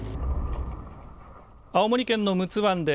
青森県の陸奥湾で